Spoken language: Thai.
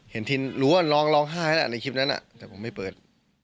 ทินรู้ว่าร้องร้องไห้แล้วในคลิปนั้นแต่ผมไม่เปิด